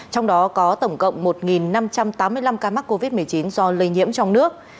trong đó có tổng cộng một năm trăm tám mươi năm ca mắc covid một mươi chín do lây nhiễm trong nước